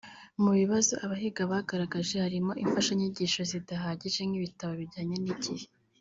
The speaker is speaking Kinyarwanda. Mu bibazo abahiga bagaragaje harimo imfashanyigisho zidahagije nk’ibitabo bijyanye n’igihe